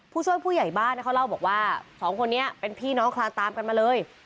ผู้ช่วยผู้ใหญ่บ้านเขาเล่าบอกว่าสองคนนี้เป็นพี่น้องคลานตามกันมาเลย